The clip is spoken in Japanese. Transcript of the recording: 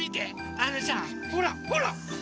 あのさほらほら！